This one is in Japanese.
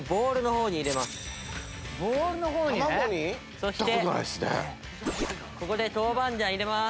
そしてここで豆板醤入れます。